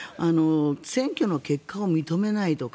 選挙の結果を認めないとか